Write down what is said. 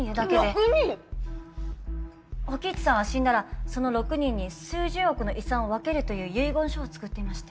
６人⁉火鬼壱さんは死んだらその６人に数十億の遺産を分けるという遺言書を作っていまして。